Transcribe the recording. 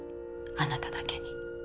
あなただけに。